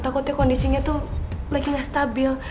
takutnya kondisinya tuh lagi stabil